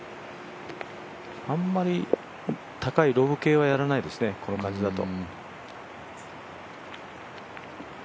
あんまり高いロブ系はやらないですね、この感じだと。